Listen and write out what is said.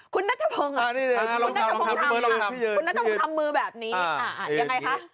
คุณนัทธพงศ์อะคุณนัทธพงศ์ทำมือแบบนี้อะยังไงคะ